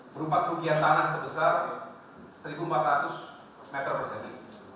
berupa kerugian tanah sebesar satu empat ratus meter persegi